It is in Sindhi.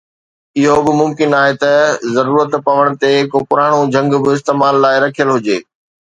اهو به ممڪن آهي ته ضرورت پوڻ تي ڪو پراڻو جهنگ به استعمال لاءِ رکيل هجي.